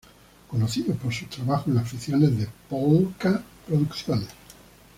Conocido por sus trabajos en las ficciones de Pol-ka Producciones.